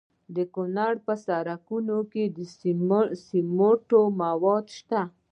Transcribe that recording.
د کونړ په سرکاڼو کې د سمنټو مواد شته.